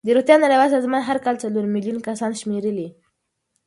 د روغتیا نړیوال سازمان هر کال څلور میلیون کسان شمېرلې.